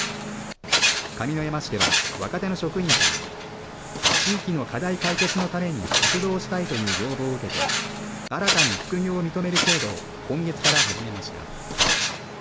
上山市では若手の職員から地域の課題解決のために活動したいという要望を受けて新たに副業を認める制度を今月から始めました。